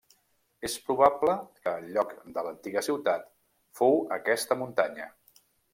És probable que el lloc de l'antiga ciutat fou aquesta muntanya.